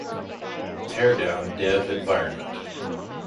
Teardown dev environment